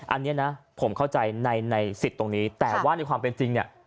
อันนี้นะผมเข้าใจในสิทธิ์ตรงนี้แต่ว่าในความเป็นจริงเนี่ย